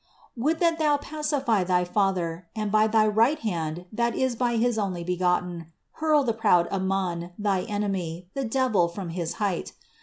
Would that Thou pacify thy Father, and, by thy right hand that is by his Onlybegotten, hurl the proud Aman, thy enemy, the devil, from his height